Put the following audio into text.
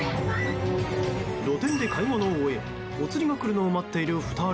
露店で買い物を終えおつりが来るのを待っている２人。